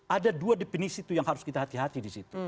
ada dua definisi tuh yang harus kita hati hati di situ